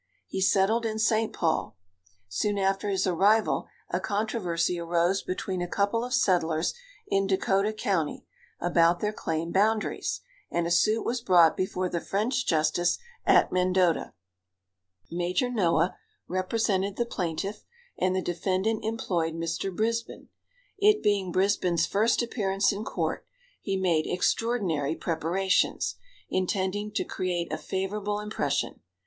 He settled in St. Paul. Soon after his arrival a controversy arose between a couple of settlers in Dakota county about their claim boundaries, and a suit was brought before the French justice at Mendota. Major Noah represented the plaintiff and the defendant employed Mr. Brisbin. It being Brisbin's first appearance in court, he made extraordinary preparations, intending to create a favorable impression.